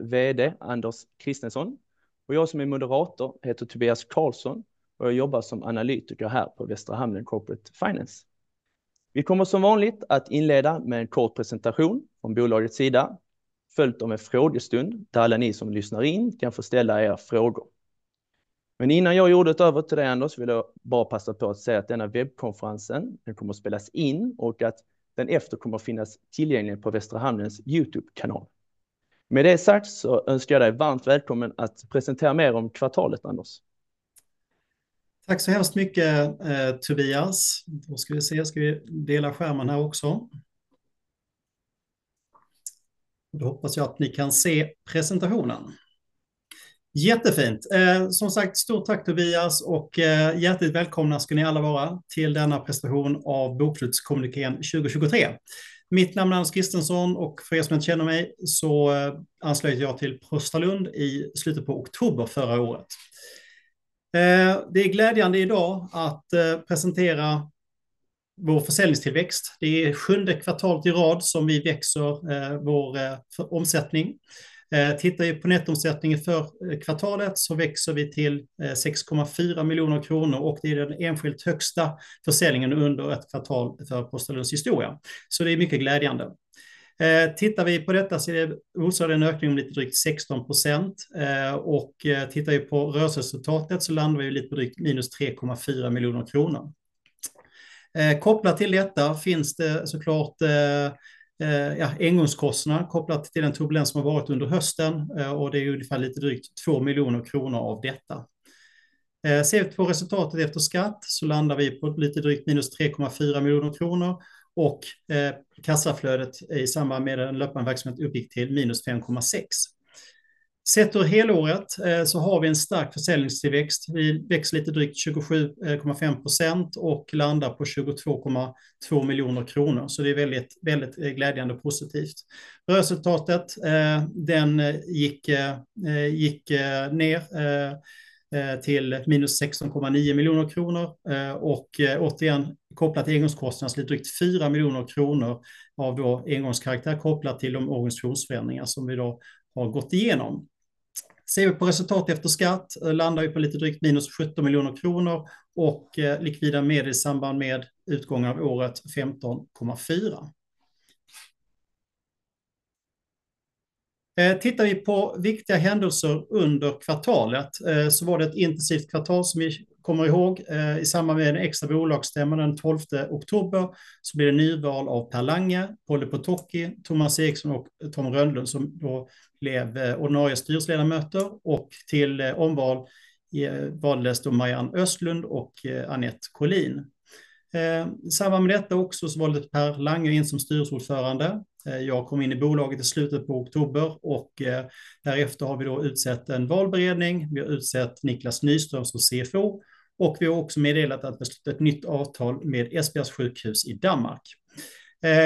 VD Anders Christensson, och jag som är moderator heter Tobias Karlsson och jag jobbar som analytiker här på Västra Hamnen Corporate Finance. Vi kommer som vanligt att inleda med en kort presentation från bolagets sida, följt av en frågestund där alla ni som lyssnar in kan få ställa era frågor. Men innan jag lämnade det över till dig, Anders, vill jag bara passa på att säga att denna webbkonferens kommer att spelas in och att den efteråt kommer att finnas tillgänglig på Västra Hamnens YouTube-kanal. Med det sagt så önskar jag dig varmt välkommen att presentera mer om kvartalet, Anders. Tack så hemskt mycket, Tobias. Då ska vi se, ska vi dela skärmen här också. Då hoppas jag att ni kan se presentationen. Jättefint. Som sagt, stort tack Tobias och hjärtligt välkomna ska ni alla vara till denna presentation av Bokslutskommunikén 2023. Mitt namn är Anders Christensson och för som inte känner mig så anslöt jag till Prostalund i slutet på oktober förra året. Det är glädjande idag att presentera vår försäljningstillväxt. Det är sjunde kvartalet i rad som vi växer vår omsättning. Tittar vi på nettoomsättningen för kvartalet så växer vi till 6,4 miljoner kronor och det är den enskilt högsta försäljningen under ett kvartal för Prostalunds historia. Det är mycket glädjande. Tittar vi på detta så är det motsvarande en ökning om lite drygt 16% och tittar vi på rörelseresultatet så landar vi lite drygt minus 3,4 miljoner kronor. Kopplat till detta finns det såklart engångskostnader kopplat till den turbulens som har varit under hösten och det är ungefär lite drygt 2 miljoner kronor av detta. Ser vi på resultatet efter skatt så landar vi på lite drygt minus 3,4 miljoner kronor och kassaflödet i samband med den löpande verksamheten uppgick till minus 5,6. Sett över helåret så har vi en stark försäljningstillväxt. Vi växer lite drygt 27,5% och landar på 22,2 miljoner kronor. Så det är väldigt, väldigt glädjande och positivt. Rörelseresultatet, den gick ner till minus 16,9 miljoner kronor och återigen kopplat till engångskostnader lite drygt 4 miljoner kronor av då engångskaraktär kopplat till de organisationsförändringar som vi då har gått igenom. Ser vi på resultat efter skatt landar vi på lite drygt minus 17 miljoner kronor och likvida medel i samband med utgången av året 15,4. Tittar vi på viktiga händelser under kvartalet så var det ett intensivt kvartal som vi kommer ihåg. I samband med den extra bolagsstämman den 12 oktober så blev det nyval av Per Lange, Polle Potocki, Thomas Eriksson och Tom Rönnlund som då blev ordinarie styrelseledamöter och till omval valdes då Marianne Östlund och Anette Collin. I samband med detta också så valdes Per Lange in som styrelseordförande. Jag kom in i bolaget i slutet på oktober och därefter har vi då utsett en valberedning. Vi har utsett Niklas Nyström som CFO och vi har också meddelat att ett nytt avtal med SBS sjukhus i Danmark.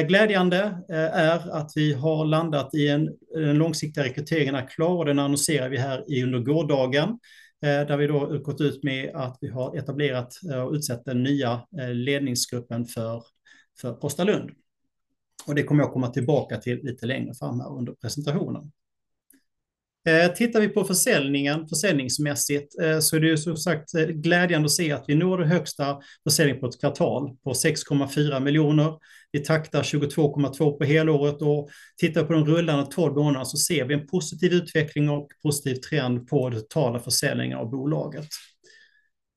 Glädjande är att vi har landat i en långsiktig rekrytering här klar och den annonserar vi här under gårdagen där vi då har gått ut med att vi har etablerat och utsett den nya ledningsgruppen för Prostalund. Och det kommer jag att komma tillbaka till lite längre fram här under presentationen. Tittar vi på försäljningen försäljningsmässigt så är det ju som sagt glädjande att se att vi når den högsta försäljningen på ett kvartal på 6,4 miljoner. Vi taktar 22,2 på helåret och tittar vi på de rullande 12 månaderna så ser vi en positiv utveckling och positiv trend på den totala försäljningen av bolaget.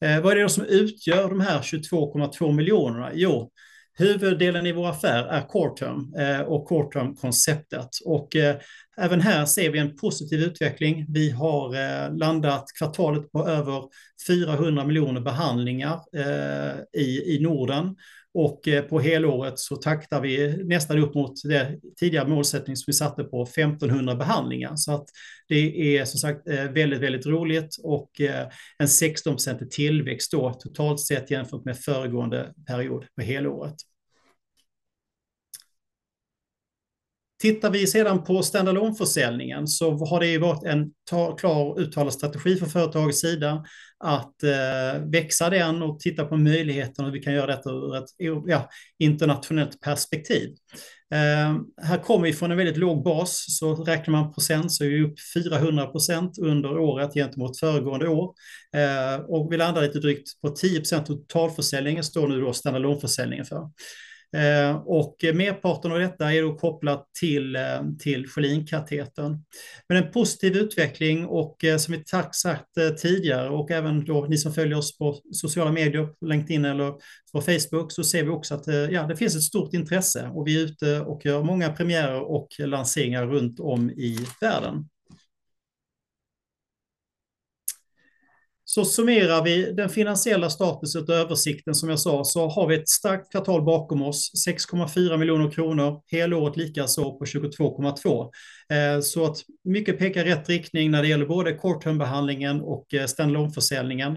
Vad är det då som utgör de här 22,2 miljonerna? Jo, huvuddelen i vår affär är short term och short term-konceptet och även här ser vi en positiv utveckling. Vi har landat kvartalet på över 400 miljoner behandlingar i Norden och på helåret så taktar vi nästan upp mot den tidigare målsättningen som vi satte på 1500 behandlingar. Så att det är som sagt väldigt, väldigt roligt och en 16% tillväxt då totalt sett jämfört med föregående period på helåret. Tittar vi sedan på stand-alone-försäljningen så har det ju varit en klar och uttalad strategi för företagets sida att växa den och titta på möjligheterna och hur vi kan göra detta ur ett internationellt perspektiv. Här kommer vi från en väldigt låg bas så räknar man procent så är vi upp 400% under året gentemot föregående år. Vi landar lite drygt på 10% totalförsäljning står nu då stand-alone-försäljningen för. Merparten av detta är då kopplat till Schelin-katetern. Men en positiv utveckling och som vi sagt tidigare och även då ni som följer oss på sociala medier, på LinkedIn eller på Facebook så ser vi också att det finns ett stort intresse och vi är ute och gör många premiärer och lanseringar runt om i världen. Så summerar vi den finansiella statusen och översikten som jag sa så har vi ett starkt kvartal bakom oss, 6,4 miljoner kronor, helåret likaså på 22,2. Mycket pekar i rätt riktning när det gäller både short term-behandlingen och stand-alone-försäljningen.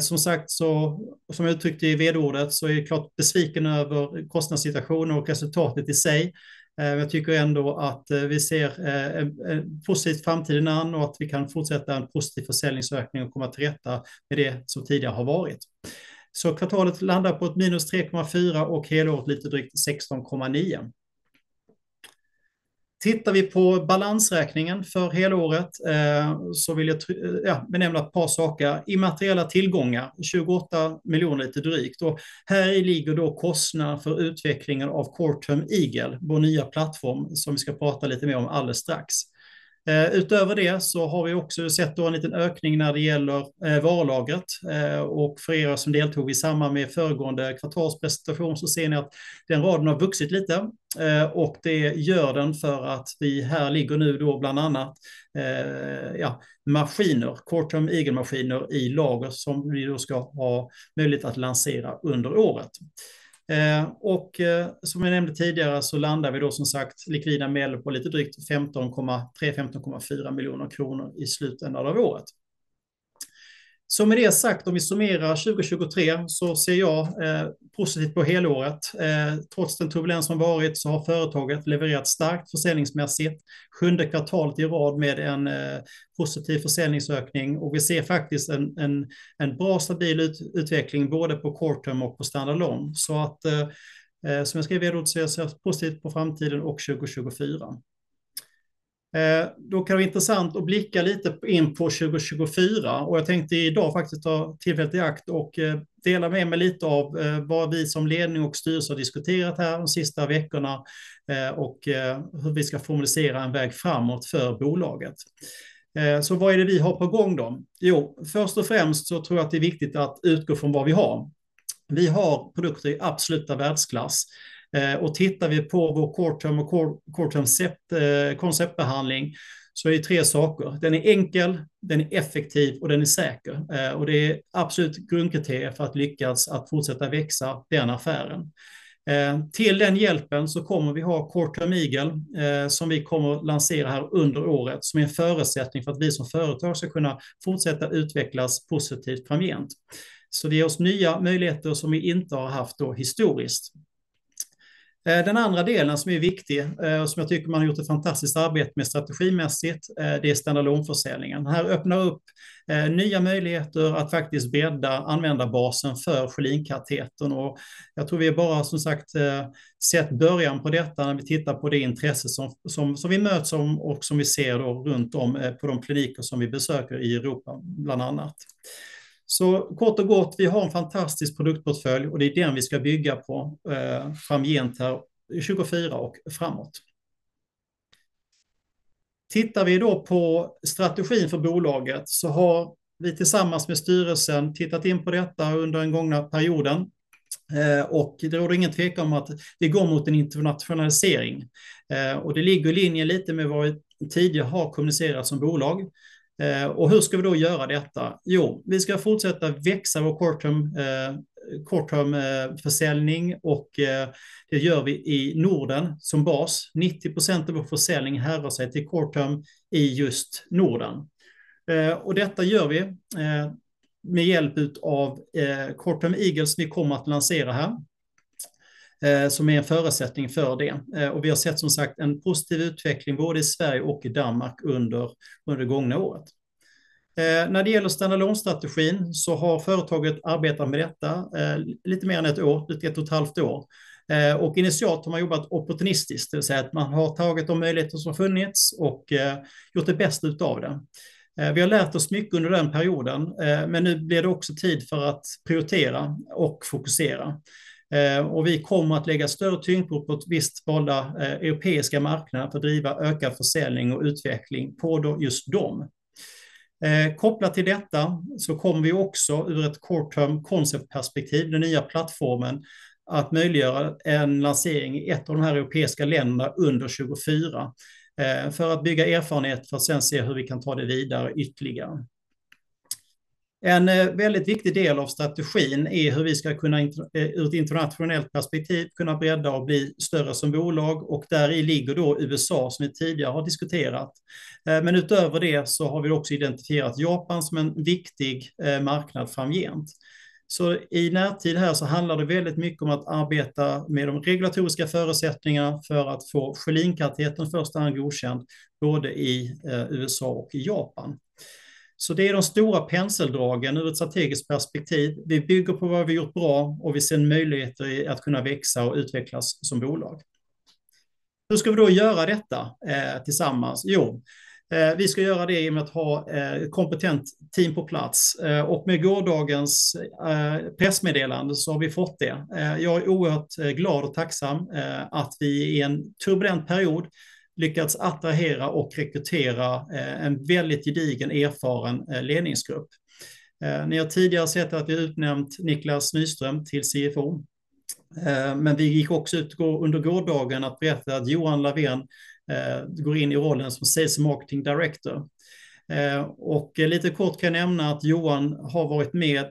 Som sagt, som jag uttryckte i VD-ordet, är jag klart besviken över kostnadssituationen och resultatet i sig. Men jag tycker ändå att vi ser en positiv framtid i namn och att vi kan fortsätta en positiv försäljningsökning och komma till rätta med det som tidigare har varit. Kvartalet landar på ett minus 3,4 och helåret lite drygt 16,9. Tittar vi på balansräkningen för helåret vill jag benämna ett par saker. Immateriella tillgångar, 28 miljoner lite drygt. Här i ligger då kostnaden för utvecklingen av Short Term Eagle, vår nya plattform som vi ska prata lite mer om alldeles strax. Utöver det så har vi också sett då en liten ökning när det gäller varulagret. För som deltog i samband med föregående kvartalspresentation så ser ni att den raden har vuxit lite och det gör den för att vi här ligger nu då bland annat maskiner, Short Term Eagle-maskiner i lager som vi då ska ha möjlighet att lansera under året. Som jag nämnde tidigare så landar vi då som sagt likvida medel på lite drygt 15,3-15,4 miljoner kronor i slutändan av året. Med det sagt, om vi summerar 2023 så ser jag positivt på helåret. Trots den turbulens som har varit så har företaget levererat starkt försäljningsmässigt. Sjunde kvartalet i rad med en positiv försäljningsökning och vi ser faktiskt en bra stabil utveckling både på short term och på stand-alone. Som jag skrev i vd-ordet så ser jag positivt på framtiden och 2024. Då kan det vara intressant att blicka lite in på 2024 och jag tänkte idag faktiskt ta tillfället i akt och dela med mig lite av vad vi som ledning och styrelse har diskuterat här de sista veckorna och hur vi ska formalisera en väg framåt för bolaget. Vad är det vi har på gång då? Först och främst så tror jag att det är viktigt att utgå från vad vi har. Vi har produkter i absoluta världsklass och tittar vi på vår short term och short term-konceptbehandling så är det tre saker. Den är enkel, den är effektiv och den är säker. Det är absolut grundkriteriet för att lyckas att fortsätta växa den affären. Till den hjälpen så kommer vi ha Short Term Eagle som vi kommer att lansera här under året som är en förutsättning för att vi som företag ska kunna fortsätta utvecklas positivt framgent. Det ger oss nya möjligheter som vi inte har haft historiskt. Den andra delen som är viktig och som jag tycker man har gjort ett fantastiskt arbete med strategimässigt, det är stand-alone-försäljningen. Här öppnar upp nya möjligheter att faktiskt bredda användarbasen för Schelin-katetern och jag tror vi har bara sett början på detta när vi tittar på det intresse som vi möts om och som vi ser runt om på de kliniker som vi besöker i Europa bland annat. Kort och gott, vi har en fantastisk produktportfölj och det är den vi ska bygga på framgent här 2024 och framåt. Tittar vi då på strategin för bolaget så har vi tillsammans med styrelsen tittat in på detta under den gångna perioden. Det råder ingen tvekan om att vi går mot en internationalisering. Det ligger i linje lite med vad vi tidigare har kommunicerat som bolag. Hur ska vi då göra detta? Jo, vi ska fortsätta växa vår short term-försäljning och det gör vi i Norden som bas. 90% av vår försäljning härdar sig till short term i just Norden. Detta gör vi med hjälp utav Short Term Eagle som vi kommer att lansera här. Som är en förutsättning för det. Vi har sett som sagt en positiv utveckling både i Sverige och i Danmark under det gångna året. När det gäller stand-alone-strategin så har företaget arbetat med detta lite mer än ett år, drygt ett och ett halvt år. Och initialt har man jobbat opportunistiskt, det vill säga att man har tagit de möjligheter som har funnits och gjort det bästa utav det. Vi har lärt oss mycket under den perioden, men nu blir det också tid för att prioritera och fokusera. Vi kommer att lägga större tyngdpunkt på ett visst valda europeiska marknader för att driva ökad försäljning och utveckling på då just dem. Kopplat till detta så kommer vi också ur ett short term-konceptperspektiv, den nya plattformen, att möjliggöra en lansering i ett av de här europeiska länderna under 2024. För att bygga erfarenhet för att sen se hur vi kan ta det vidare ytterligare. En väldigt viktig del av strategin är hur vi ska kunna ur ett internationellt perspektiv kunna bredda och bli större som bolag och där i ligger då USA som vi tidigare har diskuterat. Men utöver det så har vi också identifierat Japan som en viktig marknad framgent. I närtid här handlar det väldigt mycket om att arbeta med de regulatoriska förutsättningarna för att få Schelin-katetern i första hand godkänd både i USA och i Japan. Det är de stora penseldragen ur ett strategiskt perspektiv. Vi bygger på vad vi har gjort bra och vi ser möjligheter i att kunna växa och utvecklas som bolag. Hur ska vi då göra detta tillsammans? Vi ska göra det genom att ha ett kompetent team på plats och med gårdagens pressmeddelande har vi fått det. Jag är oerhört glad och tacksam att vi i en turbulent period lyckats attrahera och rekrytera en väldigt gedigen, erfaren ledningsgrupp. Ni har tidigare sett att vi har utnämnt Niklas Nyström till CFO. Men vi gick också ut under gårdagen att berätta att Johan Lavén går in i rollen som Sales and Marketing Director. Lite kort kan jag nämna att Johan har varit med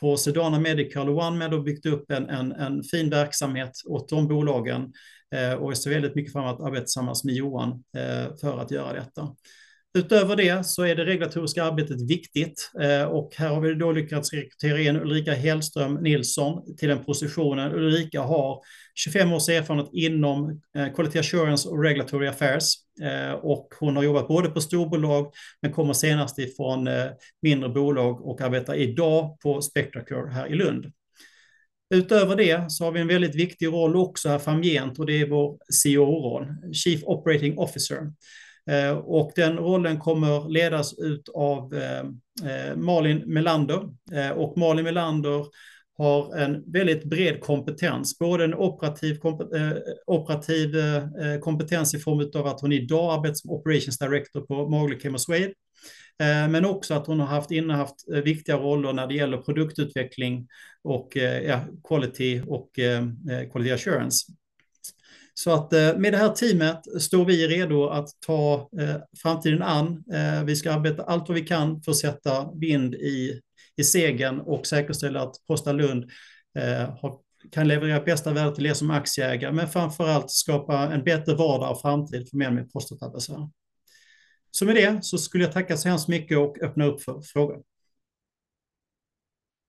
på Sedana Medical och OneMed och byggt upp en fin verksamhet åt de bolagen. Det står väldigt mycket fram att arbeta tillsammans med Johan för att göra detta. Utöver det så är det regulatoriska arbetet viktigt och här har vi då lyckats rekrytera in Ulrika Hellström Nilsson till den positionen. Ulrika har 25 års erfarenhet inom Quality Assurance och Regulatory Affairs och hon har jobbat både på storbolag men kommer senast ifrån mindre bolag och arbetar idag på SpectraCure här i Lund. Utöver det så har vi en väldigt viktig roll också här framgent och det är vår CO-roll, Chief Operating Officer. Och den rollen kommer ledas utav Malin Melander och Malin Melander har en väldigt bred kompetens, både en operativ kompetens i form utav att hon idag arbetar som Operations Director på Margle ChemoSuede. Men också att hon har haft innehaft viktiga roller när det gäller produktutveckling och quality och quality assurance. Med det här teamet står vi redo att ta framtiden an. Vi ska arbeta allt vad vi kan för att sätta vind i segeln och säkerställa att Prostalund kan leverera bästa värdet till aktieägare, men framförallt skapa en bättre vardag och framtid för mer och mer prostatabesvär. Med det så skulle jag tacka så hemskt mycket och öppna upp för frågor.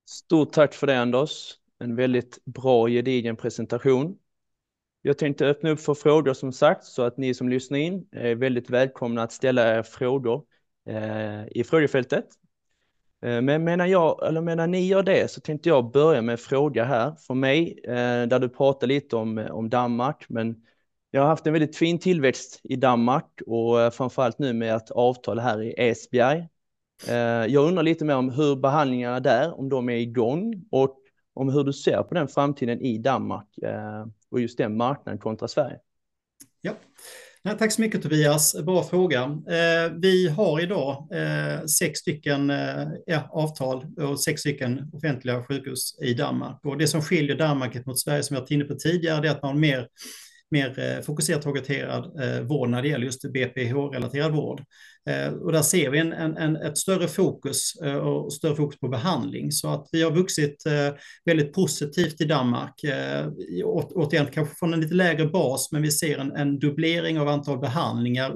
Stort tack för det Anders. En väldigt bra och gedigen presentation. Jag tänkte öppna upp för frågor som sagt så att ni som lyssnar in är väldigt välkomna att ställa era frågor i frågefältet. Men medan jag eller medan ni gör det så tänkte jag börja med en fråga här från mig där du pratar lite om Danmark. Men jag har haft en väldigt fin tillväxt i Danmark och framförallt nu med ett avtal här i Esbjerg. Jag undrar lite mer om hur behandlingarna där, om de är igång och om hur du ser på den framtiden i Danmark och just den marknaden kontra Sverige. Ja, nej tack så mycket Tobias. Bra fråga. Vi har idag sex stycken avtal och sex stycken offentliga sjukhus i Danmark. Det som skiljer Danmark mot Sverige som vi har varit inne på tidigare, det är att man har en mer fokuserad och orienterad vård när det gäller just BPH-relaterad vård. Och där ser vi ett större fokus på behandling så att vi har vuxit väldigt positivt i Danmark. Återigen kanske från en lite lägre bas, men vi ser en dubblering av antal behandlingar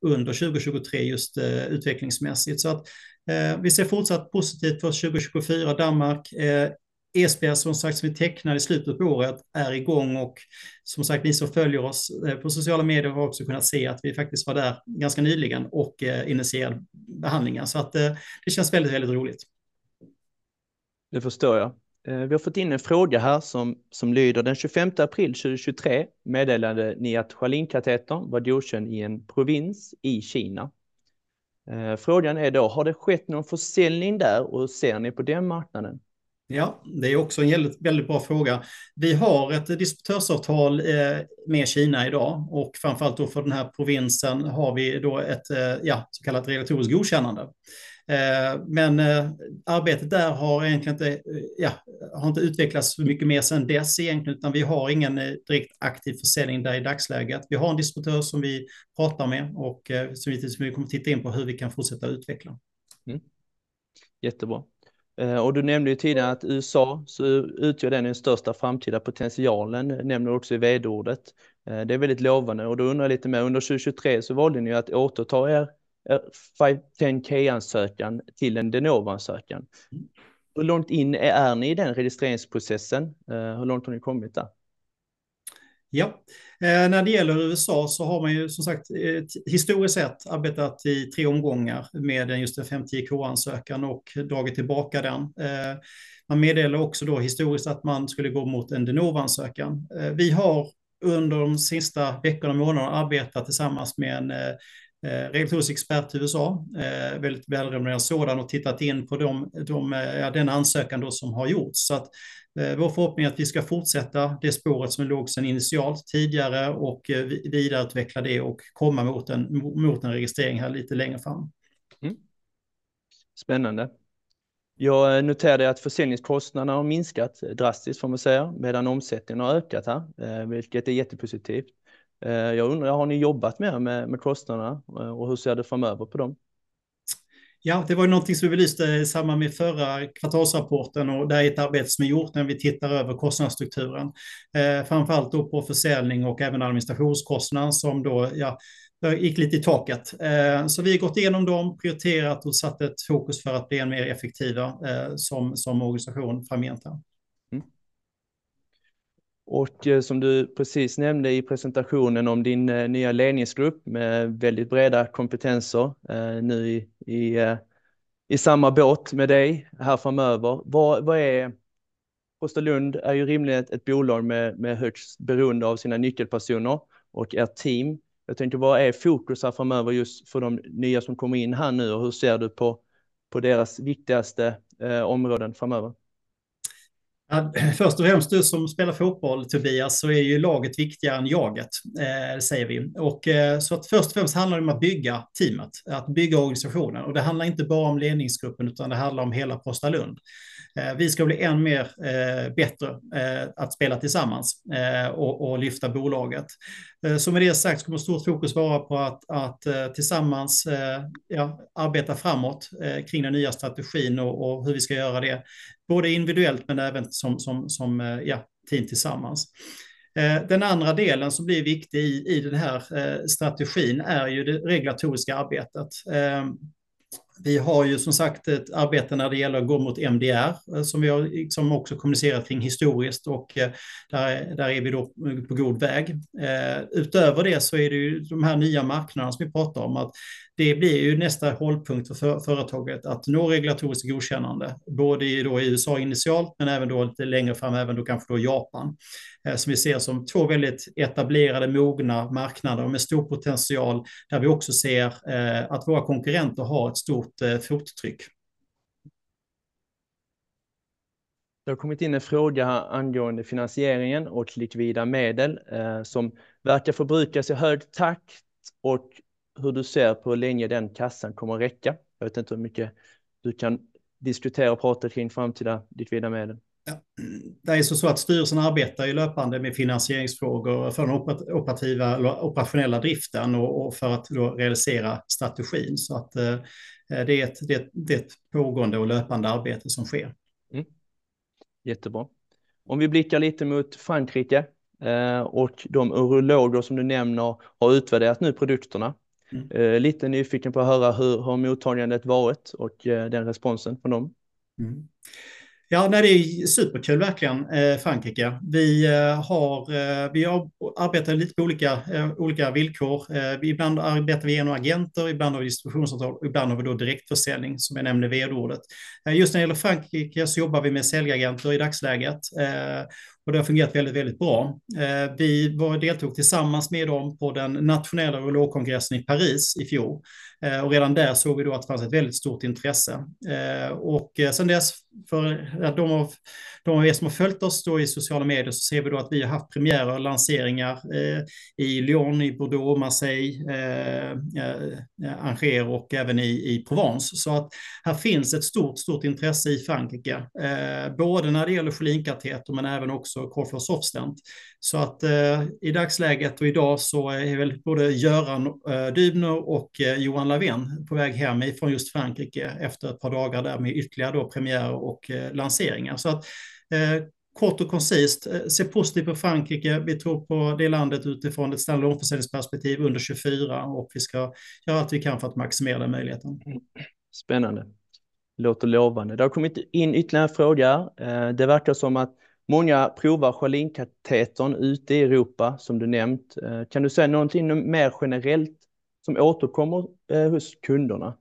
under 2023 utvecklingsmässigt. Vi ser fortsatt positivt för 2024 Danmark. Esbjerg som sagt som vi tecknade i slutet på året är igång och som sagt ni som följer oss på sociala medier har också kunnat se att vi faktiskt var där ganska nyligen och initierade behandlingar. Det känns väldigt, väldigt roligt. Det förstår jag. Vi har fått in en fråga här som lyder: "Den 25 april 2023 meddelade ni att Schelin-katetern var godkänd i en provins i Kina." Frågan är då: "Har det skett någon försäljning där och ser ni på den marknaden?" Ja, det är också en väldigt bra fråga. Vi har ett distributörsavtal med Kina idag och framförallt då för den här provinsen har vi då ett så kallat regulatoriskt godkännande. Men arbetet där har egentligen inte utvecklats så mycket mer sen dess egentligen, utan vi har ingen direkt aktiv försäljning där i dagsläget. Vi har en distributör som vi pratar med och som vi tills vidare kommer att titta in på hur vi kan fortsätta utveckla. Jättebra. Och du nämnde ju tidigare att USA så utgör den största framtida potentialen, nämner du också i VD-ordet. Det är väldigt lovande och då undrar jag lite mer, under 2023 så valde ni ju att återta 510K-ansökan till en DeNova-ansökan. Hur långt in är ni i den registreringsprocessen? Hur långt har ni kommit där? Ja, när det gäller USA så har man ju som sagt historiskt sett arbetat i tre omgångar med just en 510K-ansökan och dragit tillbaka den. Man meddelar också då historiskt att man skulle gå mot en DeNova-ansökan. Vi har under de sista veckorna och månaderna arbetat tillsammans med en regulatorisk expert i USA, väldigt välrenommerad sådan, och tittat in på den ansökan då som har gjorts. Så att vår förhoppning är att vi ska fortsätta det spåret som låg sen initialt tidigare och vidareutveckla det och komma mot en registrering här lite längre fram. Spännande. Jag noterar att försäljningskostnaderna har minskat drastiskt får man säga, medan omsättningen har ökat här, vilket är jättepositivt. Jag undrar, har ni jobbat mer med kostnaderna och hur ser det ut framöver för dem? Ja, det var ju någonting som vi belyste i samband med förra kvartalsrapporten och det är ett arbete som är gjort när vi tittar över kostnadsstrukturen. Framförallt då på försäljning och även administrationskostnader som då ja gick lite i taket. Så vi har gått igenom dem, prioriterat och satt ett fokus för att bli än mer effektiva som organisation framgent här. Och som du precis nämnde i presentationen om din nya ledningsgrupp med väldigt breda kompetenser nu i samma båt med dig här framöver. Vad är Prostalund är ju rimligen ett bolag med högst beroende av sina nyckelpersoner och ert team. Jag tänker, vad är fokus här framöver just för de nya som kommer in här nu och hur ser du på deras viktigaste områden framöver? Ja, först och främst du som spelar fotboll Tobias så är ju laget viktigare än jaget. Det säger vi. Först och främst handlar det om att bygga teamet, att bygga organisationen och det handlar inte bara om ledningsgruppen utan det handlar om hela Prostalund. Vi ska bli än bättre att spela tillsammans och lyfta bolaget. Med det sagt så kommer stort fokus vara på att tillsammans arbeta framåt kring den nya strategin och hur vi ska göra det. Både individuellt men även som team tillsammans. Den andra delen som blir viktig i den här strategin är det regulatoriska arbetet. Vi har som sagt ett arbete när det gäller att gå mot MDR som vi har också kommunicerat kring historiskt och där är vi på god väg. Utöver det så är det ju de här nya marknaderna som vi pratar om att det blir ju nästa hållpunkt för företaget att nå regulatoriskt godkännande. Både i USA initialt men även lite längre fram, även kanske Japan. Som vi ser som två väldigt etablerade, mogna marknader med stor potential där vi också ser att våra konkurrenter har ett stort fottryck. Det har kommit in en fråga angående finansieringen och likvida medel som verkar förbrukas i hög takt och hur du ser på hur länge den kassan kommer att räcka. Jag vet inte hur mycket du kan diskutera och prata kring framtida likvida medel. Ja, det är ju som så att styrelsen arbetar ju löpande med finansieringsfrågor för den operationella driften och för att realisera strategin. Det är ett pågående och löpande arbete som sker. Jättebra. Om vi blickar lite mot Frankrike och de urologer som du nämner har utvärderat nu produkterna. Lite nyfiken på att höra hur har mottagandet varit och den responsen från dem. Ja, det är superkul verkligen Frankrike. Vi har arbetat lite på olika villkor. Ibland arbetar vi genom agenter, ibland har vi distributionsavtal och ibland har vi då direktförsäljning som jag nämnde i VD-ordet. Just när det gäller Frankrike så jobbar vi med säljagenter i dagsläget och det har fungerat väldigt bra. Vi deltog tillsammans med dem på den nationella urologkongressen i Paris i fjol och redan där såg vi då att det fanns ett väldigt stort intresse. Och sen dess, för att de av de som har följt oss då i sociala medier så ser vi då att vi har haft premiärer och lanseringar i Lyon, i Bordeaux, Marseille, Angers och även i Provence. Så att här finns ett stort, stort intresse i Frankrike. Både när det gäller Schelin-kateter men även också Colflor SoftStent. Så att i dagsläget och idag så är väl både Göran Dybner och Johan Lavén på väg hem ifrån just Frankrike efter ett par dagar där med ytterligare då premiärer och lanseringar. Så att kort och koncist, se positivt på Frankrike. Vi tror på det landet utifrån ett standardlångförsäljningsperspektiv under 2024 och vi ska göra allt vi kan för att maximera den möjligheten. Spännande. Låter lovande. Det har kommit in ytterligare frågor. Det verkar som att många provar Schelin-kateter ute i Europa som du nämnt. Kan du säga någonting mer generellt som återkommer hos kunderna?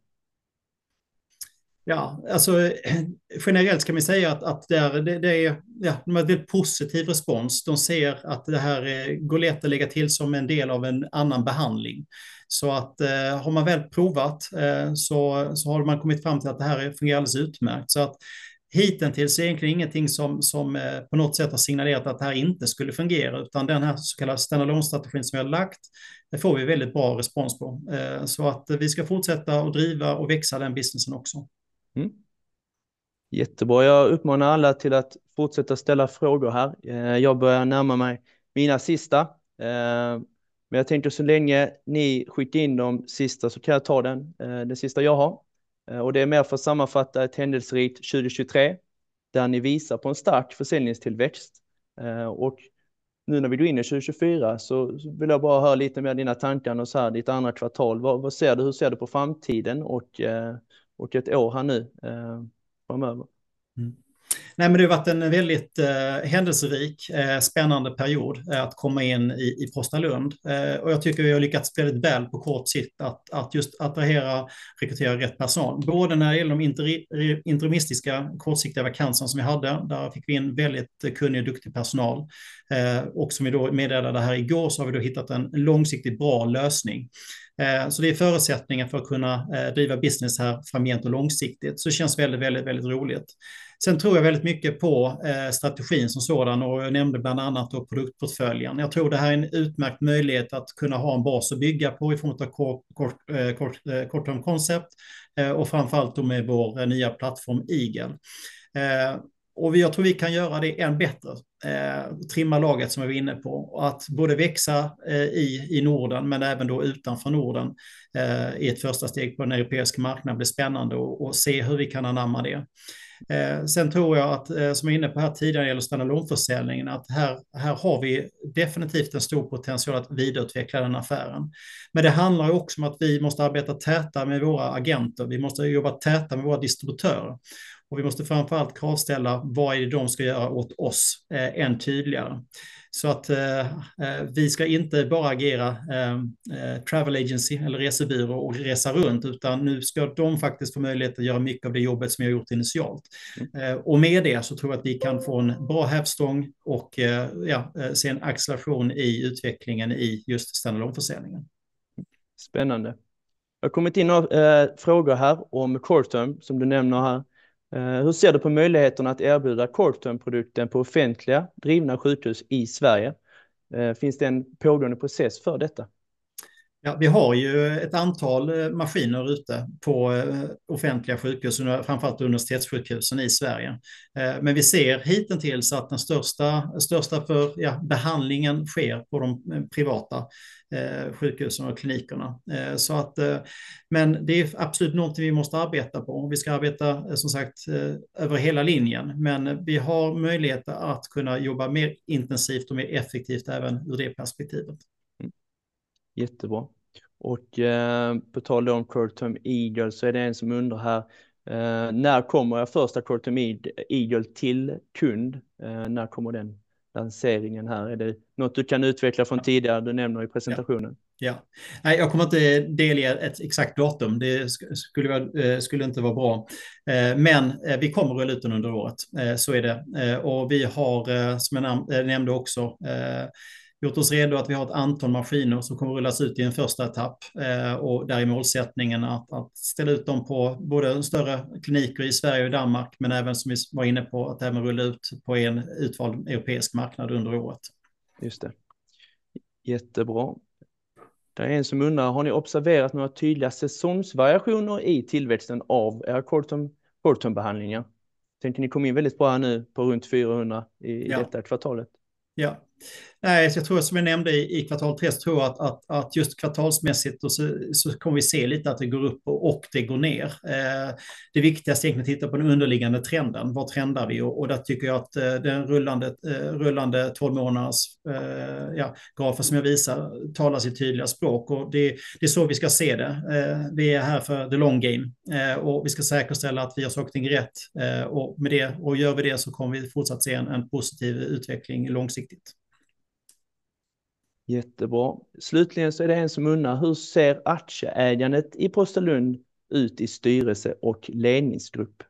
Ja, alltså generellt kan vi säga att de har en väldigt positiv respons. De ser att det här går lätt att lägga till som en del av en annan behandling. Så att har man väl provat så har man kommit fram till att det här fungerar alldeles utmärkt. Så att hittills är det egentligen ingenting som på något sätt har signalerat att det här inte skulle fungera utan den här så kallade standardlångstrategin som vi har lagt, det får vi väldigt bra respons på. Så att vi ska fortsätta att driva och växa den businessen också. Jättebra. Jag uppmanar alla till att fortsätta ställa frågor här. Jag börjar närma mig mina sista. Men jag tänker så länge ni skickar in de sista så kan jag ta den sista jag har. Och det är mer för att sammanfatta ett händelserikt 2023 där ni visar på en stark försäljningstillväxt. Nu när vi går in i 2024 så vill jag bara höra lite mer av dina tankar och så här ditt andra kvartal. Vad ser du, hur ser du på framtiden och ett år här nu framöver? Det har varit en väldigt händelserik, spännande period att komma in i Prostalund. Jag tycker vi har lyckats spela ett bra spel på kort sikt att just attrahera, rekrytera rätt person. Både när det gäller de interimistiska, kortsiktiga vakanserna som vi hade, där fick vi in väldigt kunnig och duktig personal. Som vi då meddelade här igår så har vi då hittat en långsiktigt bra lösning. Så det är förutsättningar för att kunna driva business här framgent och långsiktigt. Det känns väldigt, väldigt roligt. Sen tror jag väldigt mycket på strategin som sådan och jag nämnde bland annat då produktportföljen. Jag tror det här är en utmärkt möjlighet att kunna ha en bas att bygga på i form av korttermkoncept och framförallt då med vår nya plattform Eagle. Jag tror vi kan göra det än bättre. Trimma laget som jag var inne på och att både växa i Norden men även då utanför Norden i ett första steg på den europeiska marknaden blir spännande och se hur vi kan anamma det. Sen tror jag att som jag var inne på här tidigare när det gäller standardlångförsäljningen, att här har vi definitivt en stor potential att vidareutveckla den affären. Men det handlar ju också om att vi måste arbeta tätare med våra agenter. Vi måste jobba tätare med våra distributörer och vi måste framförallt kravställa vad är det de ska göra åt oss än tydligare. Vi ska inte bara agera travel agency eller resebyrå och resa runt utan nu ska de faktiskt få möjlighet att göra mycket av det jobbet som vi har gjort initialt. Med det så tror jag att vi kan få en bra hävstång och se en acceleration i utvecklingen i just standardlångförsäljningen. Spännande. Det har kommit in några frågor här om Colflor som du nämner här. Hur ser du på möjligheterna att erbjuda Colflor-produkten på offentliga drivna sjukhus i Sverige? Finns det en pågående process för detta? Vi har ju ett antal maskiner ute på offentliga sjukhus, framförallt universitetssjukhusen i Sverige. Men vi ser hittills att den största behandlingen sker på de privata sjukhusen och klinikerna. Men det är absolut någonting vi måste arbeta på och vi ska arbeta som sagt över hela linjen. Men vi har möjlighet att kunna jobba mer intensivt och mer effektivt även ur det perspektivet. Jättebra. På tal om Colflor Eagle så är det en som undrar här: När kommer den första Colflor Eagle till kund? När kommer den lanseringen här? Är det något du kan utveckla från tidigare? Du nämnde i presentationen. Nej, jag kommer inte delge ett exakt datum. Det skulle inte vara bra. Men vi kommer att rulla ut den under året så är det. Vi har, som jag nämnde också, gjort oss redo att vi har ett antal maskiner som kommer att rullas ut i en första etapp. Och där är målsättningen att ställa ut dem på både större kliniker i Sverige och i Danmark men även som vi var inne på att även rulla ut på en utvald europeisk marknad under året. Just det. Jättebra. Det är en som undrar: Har ni observerat några tydliga säsongsvariationer i tillväxten av era Colflor-behandlingar? Jag tänker att ni kom in väldigt bra här nu på runt 400 i detta kvartalet. Ja, nej så jag tror som jag nämnde i kvartal tre så tror jag att just kvartalsmässigt då så kommer vi se lite att det går upp och det går ner. Det viktigaste är egentligen att titta på den underliggande trenden. Vad trendar vi? Och där tycker jag att den rullande 12 månaders graf som jag visar talar sitt tydliga språk och det är så vi ska se det. Vi är här för the long game och vi ska säkerställa att vi har sagt ting rätt. Med det, och gör vi det så kommer vi fortsatt se en positiv utveckling långsiktigt. Jättebra. Slutligen så är det en som undrar: Hur ser aktieägandet i Prostalund ut i styrelse och ledningsgrupp?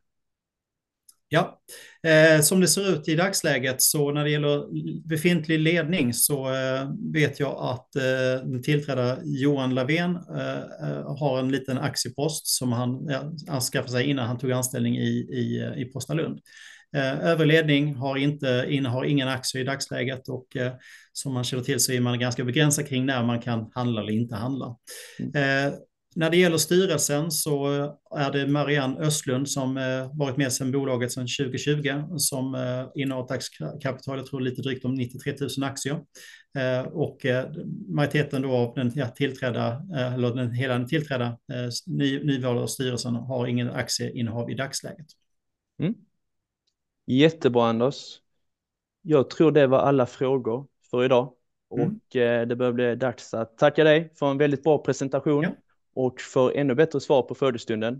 Som det ser ut i dagsläget så när det gäller befintlig ledning så vet jag att den tillträdande Johan Lavén har en liten aktiepost som han anskaffade sig innan han tog anställning i Prostalund. Övrig ledning innehar ingen aktie i dagsläget och som man känner till så är man ganska begränsad kring när man kan handla eller inte handla. När det gäller styrelsen så är det Marianne Östlund som har varit med sedan bolaget sedan 2020 som innehar ett aktiekapital, jag tror lite drygt 93 000 aktier. Och majoriteten då av den tillträdda, eller den hela den tillträdda nyvalda styrelsen har ingen aktieinnehav i dagsläget. Jättebra Anders. Jag tror det var alla frågor för idag och det börjar bli dags att tacka dig för en väldigt bra presentation och för ännu bättre svar på följdfrågorna.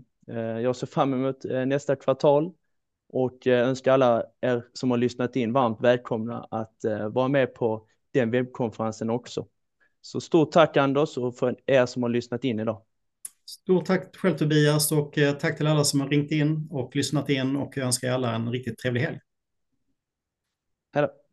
Jag ser fram emot nästa kvartal och önskar alla som har lyssnat in varmt välkomna att vara med på den webbkonferensen också. Stort tack Anders och för som har lyssnat in idag. Stort tack själv Tobias och tack till alla som har ringt in och lyssnat in och jag önskar alla en riktigt trevlig helg. Hejdå!